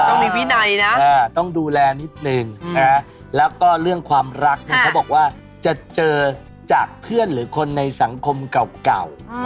ต้องมีวินัยนะต้องดูแลนิดนึงแล้วก็เรื่องความรักเนี่ยเขาบอกว่าจะเจอจากเพื่อนหรือคนในสังคมเก่า